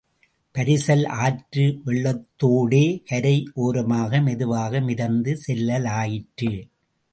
பரிசல் ஆற்று வெள்ளத்தோடே கரை ஓரமாக மெதுவாக மிதந்து செல்லலாயிற்று.